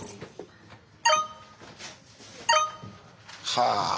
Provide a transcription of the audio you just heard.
はあ。